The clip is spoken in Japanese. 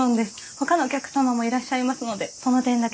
ほかのお客様もいらっしゃいますのでその点だけお願いします。